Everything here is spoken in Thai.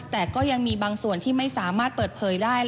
แต่ก็ยังมีบางส่วนที่ไม่สามารถเปิดเผยได้